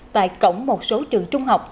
tại cổng một số trường trung học